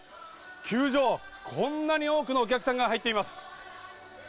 球場、こんなに多くのお客さんが入っています。